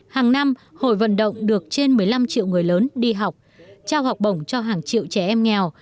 hàng năm hội vận động được trên một mươi năm triệu người lớn đi học trao học bổng cho hàng triệu trẻ em nghèo